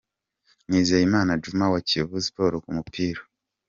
Nizeyimana Djuma wa Kiyovu Sport ku mupira.